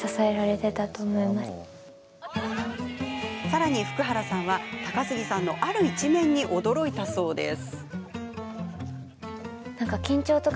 さらに、福原さんは高杉さんのある一面に驚いたそうです。